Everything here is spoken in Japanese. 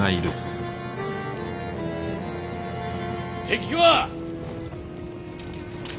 敵は。